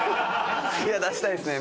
いや出したいですね。